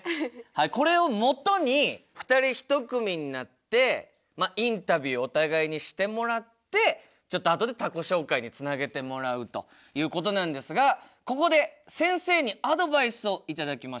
これをもとに２人一組になってインタビューお互いにしてもらってちょっとあとで他己紹介につなげてもらうということなんですがここで先生にアドバイスを頂きましょう。